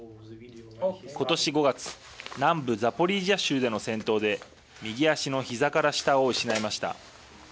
今年５月南部ザポリージャ州での戦闘で右足のひざから下を失いました。